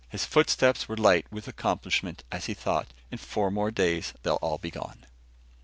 His footsteps were light with accomplishment as he thought, "In four more days, they'll all be gone."